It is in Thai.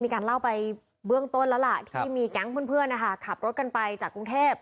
มีการเล่าไปเบื้องต้นแล้วล่ะที่มีแก๊งเพื่อนนะคะขับรถกันไปจากกรุงเทพ